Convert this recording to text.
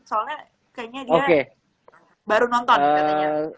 soalnya kayaknya dia baru nonton katanya